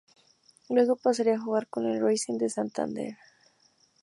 Luego pasaría a jugar con el Racing de Santander.